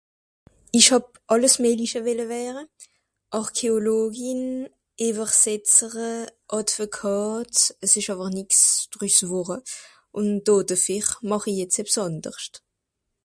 "ich hàb àlles meijliche welle wäre Archäologin ìwersätzere Advokàte s'esch àwer nix drüsswàre un ""do defer"" ? màch I jetzt ebs ànderscht"